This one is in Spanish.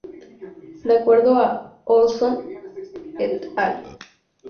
De acuerdo a Ohlson "et al.